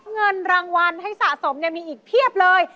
เงินรางวัลให้สะสมมีอีกเพียบเลย